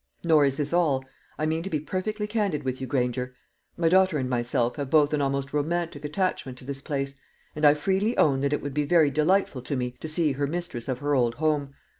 Nor is this all. I mean to be perfectly candid with you, Granger. My daughter and myself have both an almost romantic attachment to this place, and I freely own that it would be very delightful to me to see her mistress of her old home.